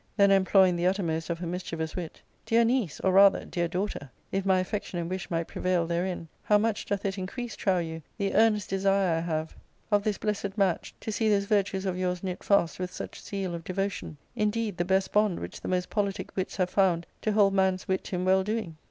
Then, employing the utter most of her mischievous wit, " Dear niece, or, rather, dear daughter, if my affection and wish might prevail therein, how much doth it increase, trow you, the earnest desire I have of this blessed match to see those virtues of yours knit fast with such zeal of devotion — indeed the best bond which the most politic wits have found to hold man's wit in well doing?